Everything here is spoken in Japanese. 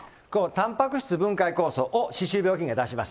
たんぱく質分解酵素を歯周病菌が出します。